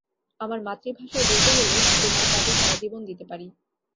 আমার মাতৃভাষায় বলতে গেলে, তোমার কাজে সারা জীবন দিতে পারি।